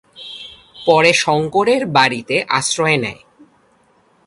পরে শঙ্করের বাড়িতে আশ্রয় নেয়।